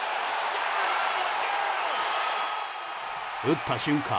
打った瞬間